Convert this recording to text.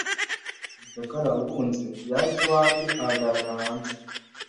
Umucakara wahunze yaje iwanjye ahagarara hanze,